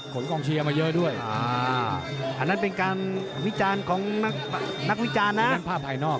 ขนคลองเชียร์มาเยอะด้วยอ่าอันนั้นเป็นการวิจารณ์ของนักวิจารณ์นะ